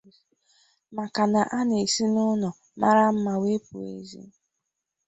maka na a na-esi n'ụlọ mara mma wee pụba ezi.